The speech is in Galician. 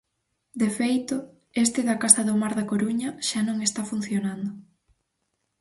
De feito, este da Casa do Mar da Coruña xa non está funcionando.